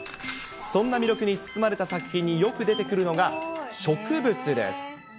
そんな魅力に包まれた作品によく出てくるのが、植物です。